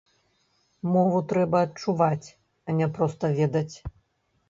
Мову трэба адчуваць, а не проста ведаць.